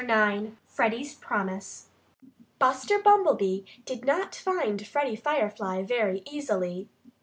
IX FREDDIE'S PROMISE Buster Bumblebee did not find Freddie Firefly very easily.